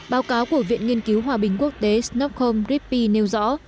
báo cáo của viện nghiên cứu hòa bình quốc tế snopcom ripi nêu rõ